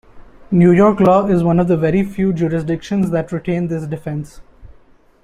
New York law is one of very few jurisdictions that retain this defense.